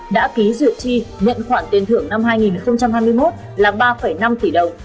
đã ký duyệt tri nhận khoản tiền thưởng năm hai nghìn hai mươi một là ba năm tỷ đồng